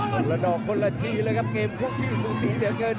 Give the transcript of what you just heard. ละดอกคนละทีเลยครับเกมพวกที่สูสีเหลือเกิน